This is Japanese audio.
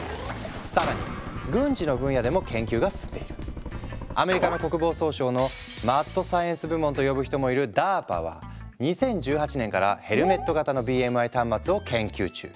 更にアメリカ国防総省のマッドサイエンス部門と呼ぶ人もいるＤＡＲＰＡは２０１８年からヘルメット型のＢＭＩ端末を研究中。